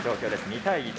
２対１。